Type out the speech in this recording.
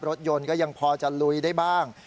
รถยนต์ก็ยังพอจะลุยได้บ้าง